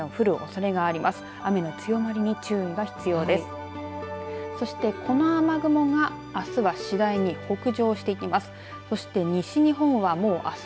そしてこの雨雲があすは次第に北上していきます。